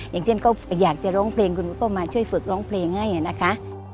อย่างเช่นก็อยากจะร้องเพลงคุณก็มาช่วยฝึกร้องเพลงให้นะคะ